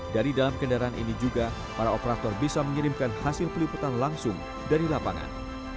dari dalam kendaraan ini juga para operator bisa mengirimkan hasil peliputan langsung dari lapangan